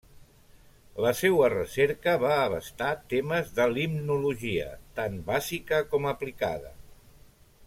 La seua recerca va abastar temes de limnologia, tant bàsica com aplicada.